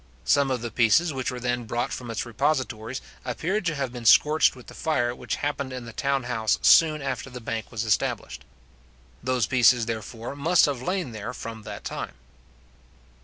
Some of the pieces which were then brought from its repositories, appeared to have been scorched with the fire which happened in the town house soon after the bank was established. Those pieces, therefore, must have lain there from that time.